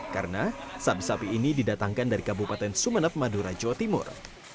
karena sapi sapi ini didatangkan dari kabupaten sumenep madura jawa timur